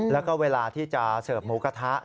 แล้วก็เวลาที่จะเสิร์ฟหมูกระทะ